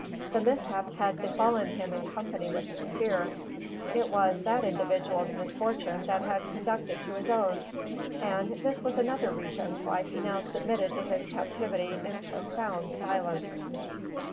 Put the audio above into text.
The mishap had befallen him in company with the Kaffir. It was that individual's misfortune that had conducted to his own, and this was another reason why he now submitted to his captivity in profound silence.